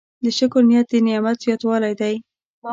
د شکر نیت د نعمت زیاتوالی دی.